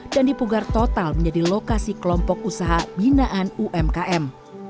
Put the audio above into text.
dan dipugar total menjadi lokasi kelompok usaha binaan umkm